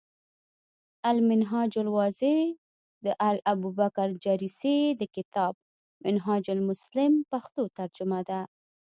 المنهاج الواضح، د الابوبکرالجريسي د کتاب “منهاج المسلم ” پښتو ترجمه ده ۔